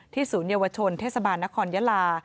ที่ศูนย์เยาวชนเทศบาลนครยาลา